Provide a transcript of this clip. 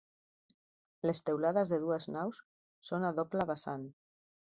Les teulades de les dues naus són a doble vessant.